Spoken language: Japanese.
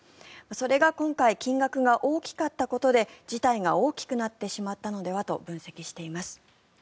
それが今回金額が大きかったことで事態が大きくなってしまったのではと分析しています。